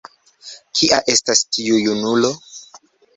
Kia estas tiu junulo?